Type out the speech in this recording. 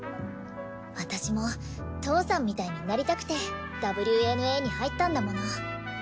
私も父さんみたいになりたくてＷＮＡに入ったんだもの。